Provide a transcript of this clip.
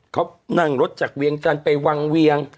เขานั่งรถจากเวียงกันไปวังเวียง